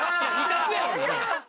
２択やん。